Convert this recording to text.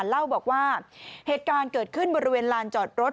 เล่าบอกว่าเหตุการณ์เกิดขึ้นบริเวณลานจอดรถ